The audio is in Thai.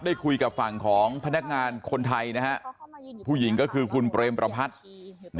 ได้คุยกับฝั่งของพนักงานคนไทยนะฮะผู้หญิงก็คือคุณเปรมประพัฒน์